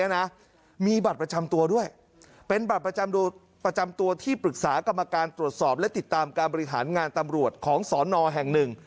นี่แบบประจำตัวที่ปรึกษากรรมการตรวจสอบและติดตามการบริหารงานตำรวจของศรนแห่ง๑